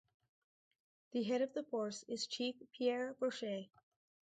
The head of the force is Chief Pierre Brochet.